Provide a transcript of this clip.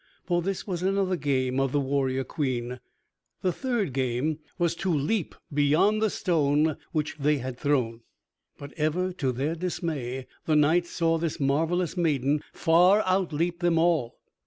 For this was another game of the warrior queen. The third game was to leap beyond the stone which they had thrown, but ever to their dismay the knights saw this marvelous maiden far outleap them all.